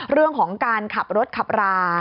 เรื่องของการขับรถขับรา